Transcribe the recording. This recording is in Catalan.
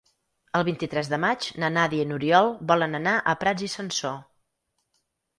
El vint-i-tres de maig na Nàdia i n'Oriol volen anar a Prats i Sansor.